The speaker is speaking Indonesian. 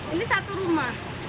ini satu rumah